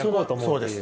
そうです。